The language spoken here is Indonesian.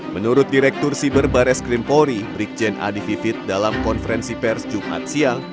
menurut direktur siber bares krimpolri rikjen adi vivit dalam konferensi pers jumat siang